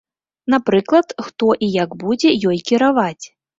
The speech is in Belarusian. Напрыклад, хто і як будзе ёй кіраваць.